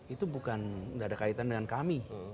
itu bukan nggak ada kaitan dengan kami